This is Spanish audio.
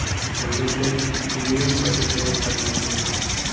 El router divide el paquete en fragmentos.